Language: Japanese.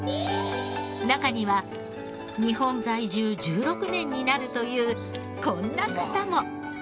中には日本在住１６年になるというこんな方も。